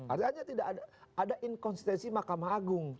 artinya tidak ada inkonsistensi mahkamah agung